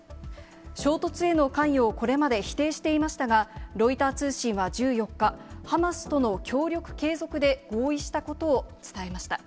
衝突への関与をこれまで否定していましたが、ロイター通信は１４日、ハマスとの協力継続で合意したことを伝えました。